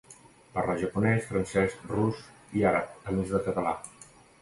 Parla japonès, francès, rus i àrab, a més de català.